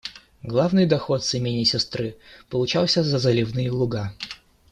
Главный доход с имения сестры получался за заливные луга.